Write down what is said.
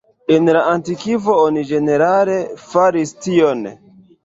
En la antikvo oni ĝenerale faris tion.